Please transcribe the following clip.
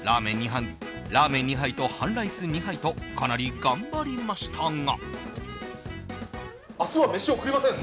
ラーメン２杯と半ライス２杯とかなり頑張りましたが。